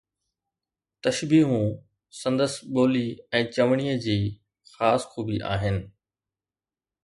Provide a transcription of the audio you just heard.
تشبيهون سندس ٻولي ۽ چوڻيءَ جي خاص خوبي آهن